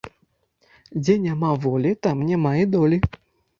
Дзе няма волі, там няма і долі